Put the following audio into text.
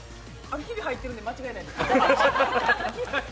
ひび入ってるんで間違いないです。